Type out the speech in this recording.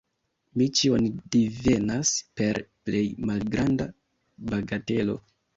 Mi ĉion divenas per plej malgranda bagatelo.